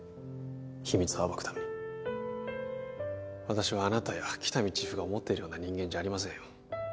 秘密を暴くために私はあなたや喜多見チーフが思っているような人間じゃありませんよ